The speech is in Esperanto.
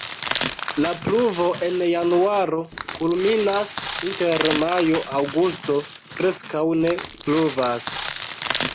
La pluvo en januaro kulminas, inter majo-aŭgusto preskaŭ ne pluvas.